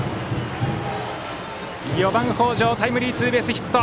４番、北條タイムリーツーベースヒット。